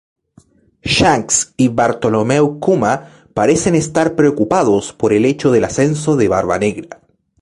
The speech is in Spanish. Shanks y Bartholomew Kuma parecen estar preocupados por el hecho del ascenso de Barbanegra.